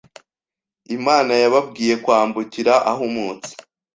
Imana yababwiye kwambukira ahumutse